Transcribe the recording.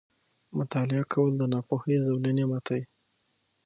• مطالعه کول، د ناپوهۍ زولنې ماتوي.